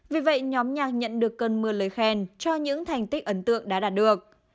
vì vậy nhóm nhạc nhận được cơn mưa lời khen cho những thành tích ấn tượng đã đạt được